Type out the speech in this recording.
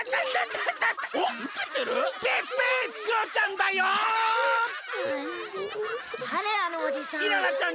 だれあのおじさん？